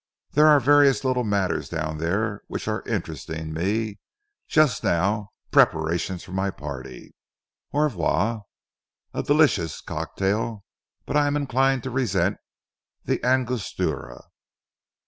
"There are various little matters down there which are interesting me just now preparations for my party. Au revoir! A delicious cocktail, but I am inclined to resent the Angostura."